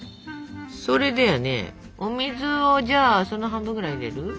それでやねお水をじゃあその半分ぐらい入れる？